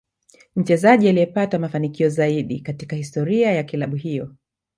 Ni mchezaji aliyepata mafanikio zaidi katika historia ya kilabu hiyo